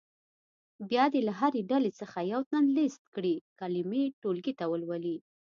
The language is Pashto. بیا دې له هرې ډلې څخه یو تن لیست کړې کلمې ټولګي ته ولولي.